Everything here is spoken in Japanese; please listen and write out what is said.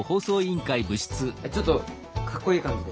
ちょっとかっこいい感じで。